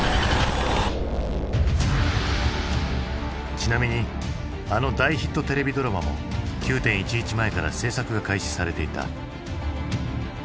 ちなみにあの大ヒットテレビドラマも９．１１前から製作が開始されていた。